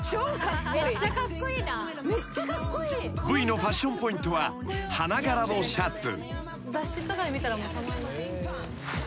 ［Ｖのファッションポイントは花柄のシャツ］